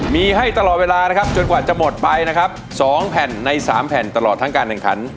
มีให้ตลอดเวลานะครับจนกว่าจะหมดไปนะครับ๒แผ่นใน๓แผ่นตลอดทั้งการแข่งขัน